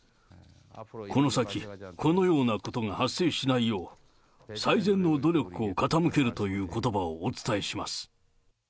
この先、このようなことが発生しないよう、最善の努力を傾けるということばをお伝えします。